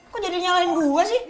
kok jadi nyalahin gua sih